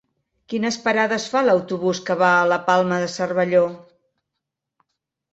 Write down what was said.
Quines parades fa l'autobús que va a la Palma de Cervelló?